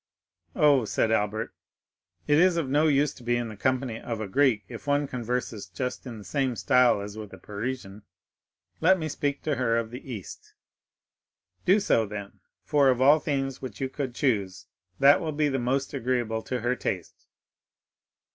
"Oh," said Albert, "it is of no use to be in the company of a Greek if one converses just in the same style as with a Parisian; let me speak to her of the East." "Do so then, for of all themes which you could choose that will be the most agreeable to her taste."